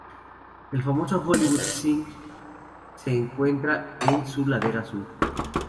El famoso Hollywood Sign se encuentra en su ladera sur.